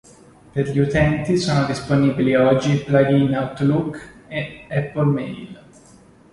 Per gli utenti sono disponibili oggi plug-in Outlook e Apple Mail.